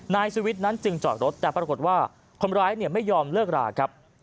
นายสุวิทย์นั้นจึงจอดรถแต่ปรากฏว่าคนร้ายไม่ยอมเลิกราครับ